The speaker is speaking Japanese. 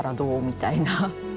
みたいな。